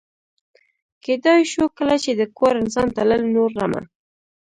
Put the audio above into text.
کېدای شو کله چې د کور انسان تلل، نو رمه.